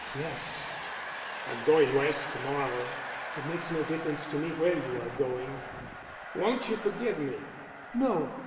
"Yes." "I'm going West to morrow." "It makes no difference to me where you are going." "Won't you forgive me?" "No."